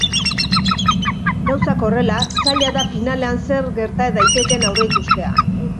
Gauzak horrela, zaila da finalean zer gerta daitekeen aurreikustea.